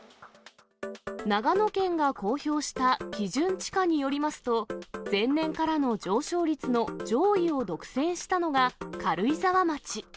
長野県が公表した基準地価によりますと、前年からの上昇率の上位を独占したのが軽井沢町。